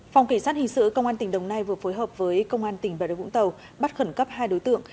phòng kỳ sát hình sự công an tỉnh đồng nai vừa phối hợp với công an tỉnh bà đồng vũng tàu bắt khẩn cấp hai đối tượng